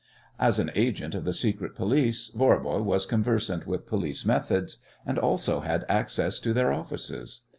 As an agent of the secret police Voirbo was conversant with police methods, and also had access to their offices.